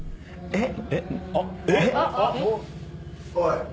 えっ⁉